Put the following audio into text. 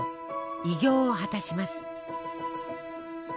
偉業を果たします。